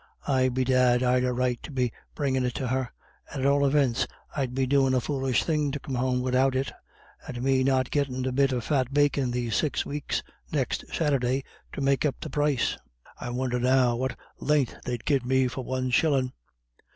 Ay bedad, I'd a right to be bringin' it to her; and, at all evints, I'd be doin' a foolish thing to come home widout it, and me not gettin' the bit of fat bacon these six weeks next Saturday to make up the price. I won'er now what len'th they'd give you for one shillin'?"